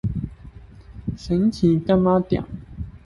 神奇柑仔店